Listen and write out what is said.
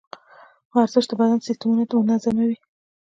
ورزش د بدن سیستمونه منظموي.